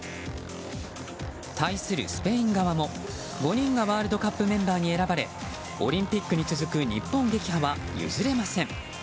対するスペイン側も５人がワールドカップメンバーに選ばれオリンピックに続く日本撃破は譲れません。